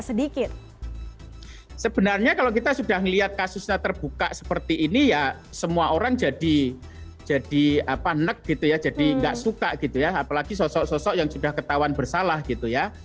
sebenarnya kalau kita sudah melihat kasusnya terbuka seperti ini ya semua orang jadi nek gitu ya jadi nggak suka gitu ya apalagi sosok sosok yang sudah ketahuan bersalah gitu ya